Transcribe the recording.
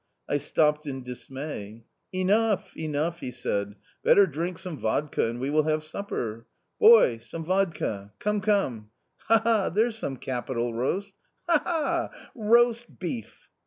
I stopped in dismay. "Enough, enough," he said, "better drink some vodka and we will have supper. Boy ! some vodka. Come, come, ha, ha, ha !— there's some capital roast — ha, ha, ha !— roast beef."